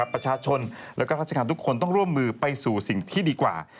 ประชาชนและราชการทุกคนต้องร่วมมือไปสู่สิ่งที่ดีกว่า